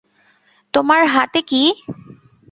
তোমার হাতে কী?